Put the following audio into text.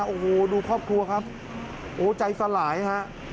โอ้โหดูครอบครัวครับโอ้ใจสลายฮะ